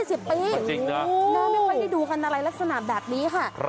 ไม่ไหวที่ดูกันอะไรลักษณะแบบนี้ค่ะ